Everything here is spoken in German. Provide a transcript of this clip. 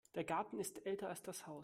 Der Garten ist älter als das Haus.